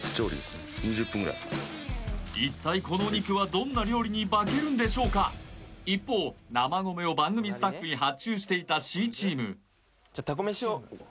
一体このお肉はどんな料理に化けるんでしょうか一方生米を番組スタッフに発注していたＣチームはい